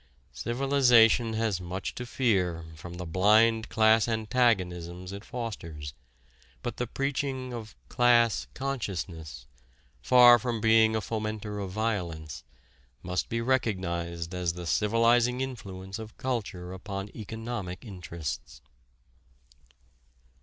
Civilization has much to fear from the blind class antagonisms it fosters; but the preaching of "class consciousness," far from being a fomenter of violence, must be recognized as the civilizing influence of culture upon economic interests.